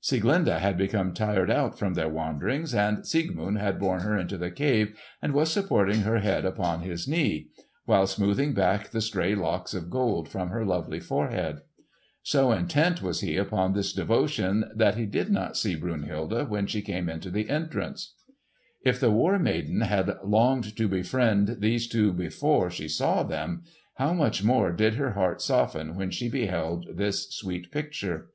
Sieglinde had become tired out from their wanderings, and Siegmund had borne her into the cave and was supporting her head upon his knee, while smoothing back the stray locks of gold from her lovely forehead. So intent was he upon this devotion that he did not see Brunhilde when she came into the entrance. [Illustration: "Siegmund was supporting her Head upon his Knee" J. Wagrez Photo, Braun, Clément & Co.] If the War Maiden had longed to befriend these two before she saw them, how much more did her heart soften when she beheld this sweet picture!